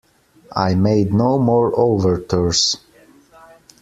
I made no more overtures.